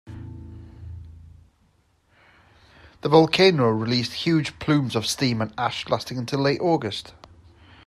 The volcano released huge plumes of steam and ash lasting until late August.